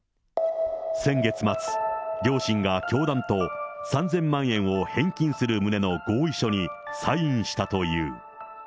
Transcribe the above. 先月末、両親が教団と３０００万円を返金する旨の合意書にサインしたという。